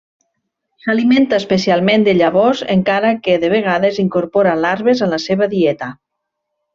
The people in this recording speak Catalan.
S'alimenta especialment de llavors encara que de vegades incorpora larves a la seva dieta.